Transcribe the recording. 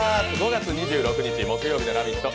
５月２６日木曜日の「ラヴィット！」